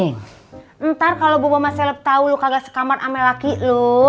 ntar kalau bu mama selep tau lo kaget sekamar sama laki lo